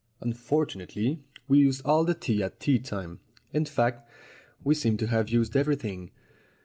Unfortunately, we used all the tea at tea time. In fact, we seem to have used everything.